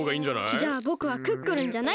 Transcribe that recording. じゃあぼくはクックルンじゃないってことで。